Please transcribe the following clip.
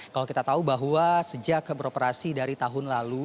kalau kita tahu bahwa sejak beroperasi dari tahun lalu